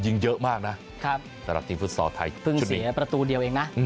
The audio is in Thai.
ยิงเยอะมากนะสำหรับทีมฟุตซอลไทยเพิ่งเสียประตูเดียวเองนะ